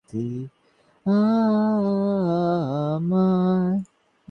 কারণ সে তো শুনতে পাচ্ছে না।